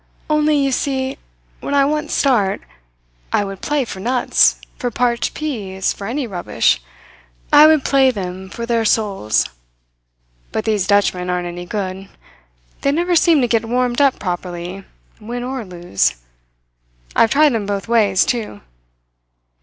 "Only, you see, when I once start, I would play for nuts, for parched peas, for any rubbish. I would play them for their souls. But these Dutchmen aren't any good. They never seem to get warmed up properly, win or lose. I've tried them both ways, too.